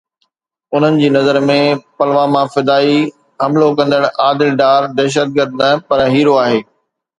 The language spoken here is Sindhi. انهن جي نظر ۾ پلواما فدائي حملو ڪندڙ عادل ڊار دهشتگرد نه پر هيرو آهي.